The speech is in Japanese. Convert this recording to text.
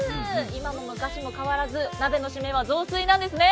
今も昔も変わらず、鍋の締めは雑炊なんですね。